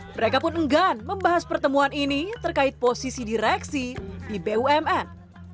mereka pun enggan membahas pertemuan ini terkait posisi direksi di bumn